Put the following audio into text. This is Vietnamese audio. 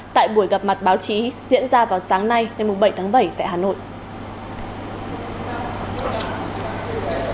tại buổi gặp mặt báo chí diễn ra vào sáng nay ngày bảy tháng bảy tại hà nội